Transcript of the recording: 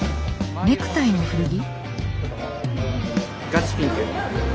ネクタイの古着？